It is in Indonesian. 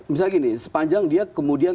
misalnya gini sepanjang dia kemudian